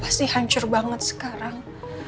pasti hancur banget sekarang